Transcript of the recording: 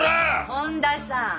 本田さん